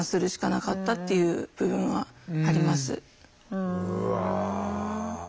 うわ。